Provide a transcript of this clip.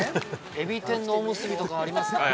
◆エビ天のおむすびとかありますから、